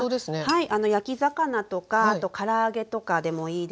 はい。